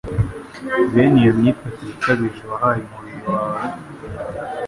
bene iyo myifatire ikabije wahaye umubiri wawe. …